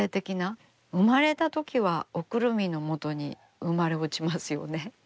生まれたときはおくるみのもとに生まれ落ちますよね。